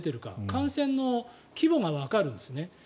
感染の規模がわかるんですね。